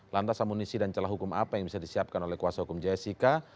lantas amunisi dan celah hukum apa yang bisa disiapkan oleh kuasa hukum jessica